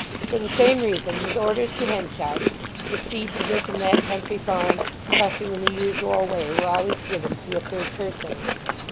For the same reason his orders to Henchard to proceed to this and that country farm trussing in the usual way were always given through a third person.